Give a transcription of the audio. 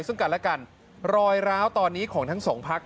ซึ่งกันและกันรอยร้าวตอนนี้ของทั้งสองพัก